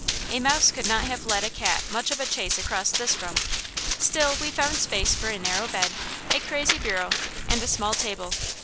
A mouse could not have led a cat much of a chase across this room; still we found space for a narrow bed, a crazy bureau, and a small table.